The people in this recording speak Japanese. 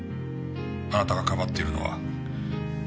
あなたが庇っているのは。